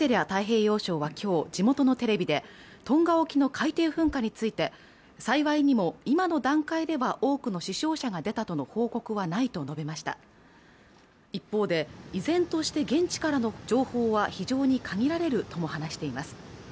太平洋相はきょう地元のテレビでトンガ沖の海底噴火について幸いにも今の段階では多くの死傷者が出たとの報告はないと述べました一方で依然として現地からの情報は非常に限られるとも話しています